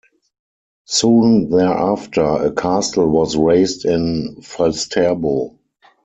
Soon thereafter a castle was raised in Falsterbo.